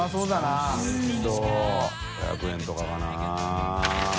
小峠）５００円とかかな？